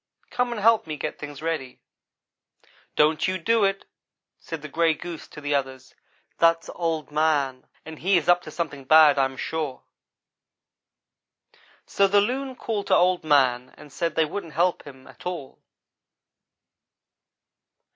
Come and help me get things ready. ' "'Don't you do it,' said the gray goose to the others; 'that's Old man and he is up to something bad, I am sure.' "So the loon called to Old man and said they wouldn't help him at all.